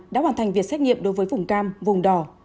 đã hoàn thành việc xét nghiệm đối với vùng cam vùng đỏ